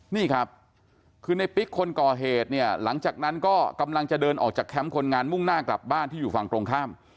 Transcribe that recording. นี่ครับคือในปิ๊กคนก่อเหตุเนี่ยหลังจากนั้นก็กำลังจะเดินออกจากแคมป์คนงานมุ่งหน้ากลับบ้านที่อยู่ฝั่งตรงข้าม